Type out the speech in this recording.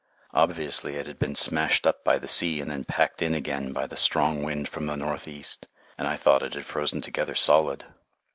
Obviously, it had been smashed up by the sea and then packed in again by the strong wind from the northeast, and I thought it had frozen together solid.